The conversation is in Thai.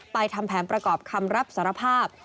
ทำแผนประกอบคำรับสารภาพ